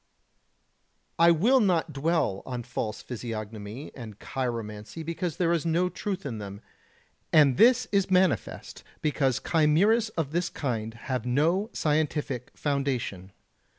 I will not dwell on false physiognomy and chiromancy because there is no truth in them, and this is manifest because chimeras of this kind have no scientific foundation.